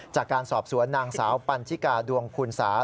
จากการสอบสวนนางสาวปัญชิกาดวงคุณสา